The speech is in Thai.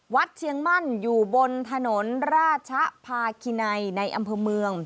เชียงมั่นอยู่บนถนนราชภาคินัยในอำเภอเมือง